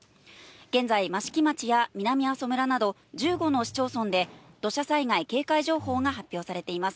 現在、益城町や南阿蘇村など、１５の市町村で土砂災害警戒情報が発表されています。